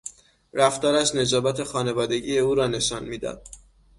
رفتارش نجابت خانوادگی او را نشان میداد.